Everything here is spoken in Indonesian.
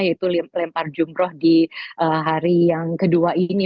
yaitu lempar jumroh di hari yang kedua ini